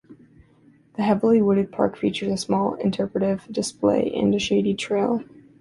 The heavily wooded park features a small interpretive display and a shady trail.